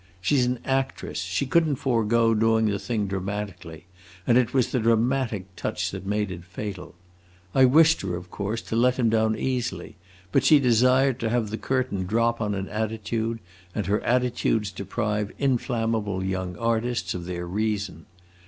She 's an actress, she could n't forego doing the thing dramatically, and it was the dramatic touch that made it fatal. I wished her, of course, to let him down easily; but she desired to have the curtain drop on an attitude, and her attitudes deprive inflammable young artists of their reason.....